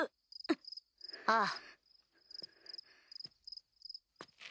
ああ。